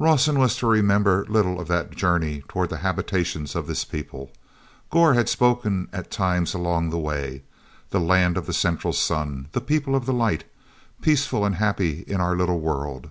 awson was to remember little of that journey toward the habitations of this people. Gor had spoken at times along the way: "... the Land of the Central Sun.... The People of the Light, peaceful and happy in our little world...."